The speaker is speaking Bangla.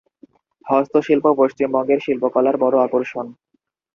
হস্তশিল্প পশ্চিমবঙ্গের শিল্পকলার বড়ো আকর্ষণ।